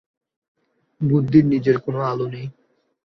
বুদ্ধির নিজের কোন আলো নাই।